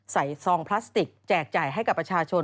ซองพลาสติกแจกจ่ายให้กับประชาชน